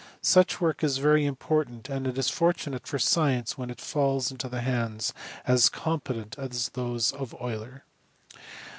Such work is very important, and it is fortunate for science when it falls into hands as competent as those of Euler.